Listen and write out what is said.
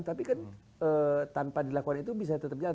tapi kan tanpa dilakukan itu bisa tetap jalan